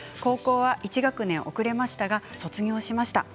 高校は１学年遅れましたが卒業しました。